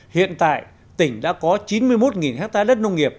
hiện tại tỉnh đã có chín mươi một ha đất nông nghiệp